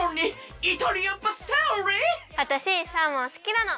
わたしサーモンすきなの！